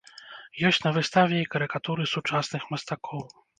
Ёсць на выставе і карыкатуры сучасных мастакоў.